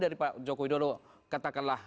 dari pak joko widodo katakanlah